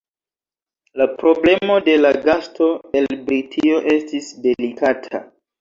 La problemo de la gasto el Britio estis delikata.